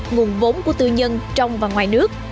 nguồn vốn của tư nhân trong và ngoài nước